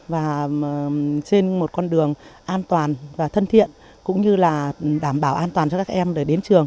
và trên một con đường an toàn và thân thiện cũng như là đảm bảo an toàn cho các em để đến trường